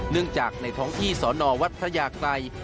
เนื่องจากในท้องที่สอนอวัดพระยากรัย